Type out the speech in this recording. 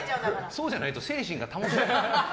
そうじゃないと精神が保てない。